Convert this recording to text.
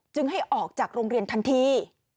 ให้ออกจากโรงเรียนทันที